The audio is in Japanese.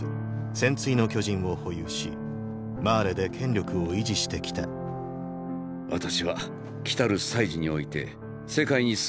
「戦鎚の巨人」を保有しマーレで権力を維持してきた私は来る「祭事」において世界にすべてを明かすつもりだ。